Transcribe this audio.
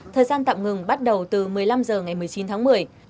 thời gian tạm ngừng bắt đầu từ một mươi năm h ngày một mươi chín tháng một mươi